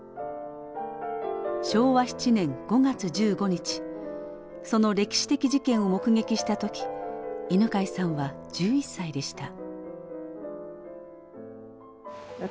昭和７年５月１５日その歴史的事件を目撃した時犬養さんは１１歳でした。